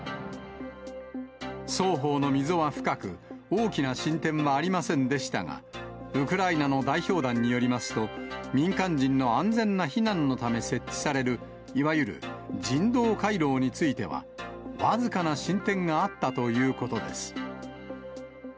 双方の溝は深く、大きな進展はありませんでしたが、ウクライナの代表団によりますと、民間人の安全な避難のため設置される、いわゆる人道回廊については、僅かな進展があったということです。